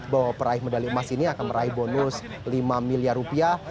bahwa peraih medali emas ini akan meraih bonus lima miliar rupiah